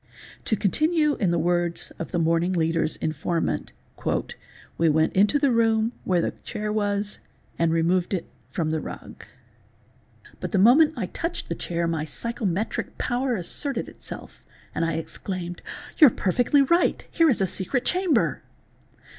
Te continue in the words of the "Morning Leader's"' informant 'we went into the room where the chair was, and removed it from the rug. But the DIVINATION AND FORTUNE TELLING 393 moment I touched the chair my psychometric power asserted itself, and I exclaimed, ' You are perfectly right. Here is a secret chamber.